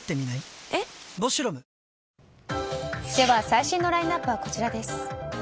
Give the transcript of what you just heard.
最新のラインアップはこちらです。